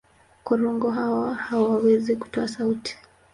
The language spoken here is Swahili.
Korongo hawa hawawezi kutoa sauti.